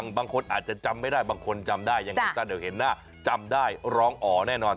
บางคนอาจจะจำไม่ได้บางคนจำได้ยังไงซะเดี๋ยวเห็นหน้าจำได้ร้องอ๋อแน่นอน